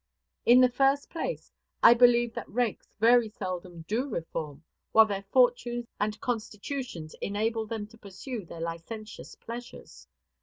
In the first place, I believe that rakes very seldom do reform while their fortunes and constitutions enable them to pursue their licentious pleasures.